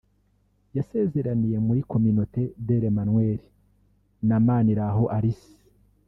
yasezeraniye muri Communauté de l’Emmanuel na Maniraho Alice